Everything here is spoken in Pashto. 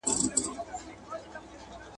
مطالعه د شعور پېچلتياو ته لار کوي.